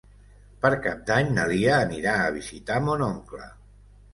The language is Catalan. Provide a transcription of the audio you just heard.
Per Cap d'Any na Lia anirà a visitar mon oncle.